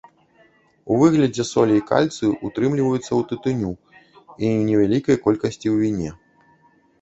У выглядзе солей кальцыю утрымліваецца ў тытуню і ў невялікай колькасці ў віне.